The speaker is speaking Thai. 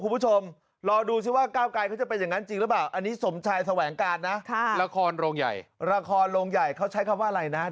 เพราะว่าเป็นดิวรับที่คุยกันที่ห้องกง